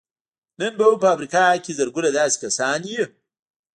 نن به هم په امريکا کې زرګونه داسې کسان وي.